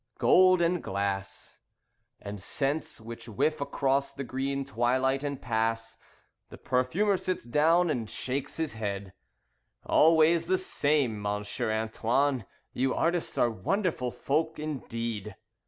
Gold and glass, And scents which whiff across the green twilight and pass. The perfumer sits down and shakes his head: "Always the same, Monsieur Antoine, You artists are wonderful folk indeed."